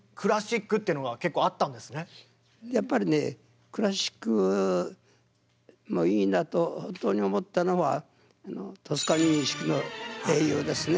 やっぱりねクラシックもいいなと本当に思ったのはトスカニーニ指揮の「英雄」ですね。